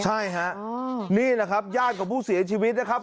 ใช่ฮะนี่แหละครับญาติของผู้เสียชีวิตนะครับ